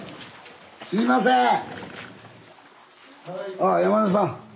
ああ山根さん。